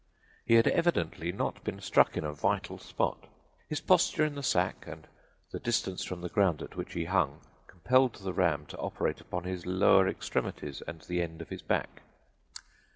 He had evidently not yet been struck in a vital spot. His posture in the sack and the distance from the ground at which he hung compelled the ram to operate upon his lower extremities and the end of his back.